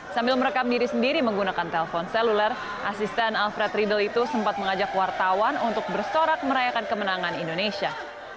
sambil merekam diri sendiri menggunakan telpon seluler asisten alfred riedel itu sempat mengajak wartawan untuk bersorak merayakan kemenangan indonesia